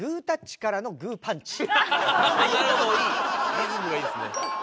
リズムがいいですね。